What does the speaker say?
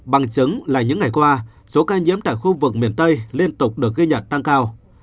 bằng chứng là những ngày qua số ca nhiễm tại khu vực miền tây liên tục được ghi nhận tăng cao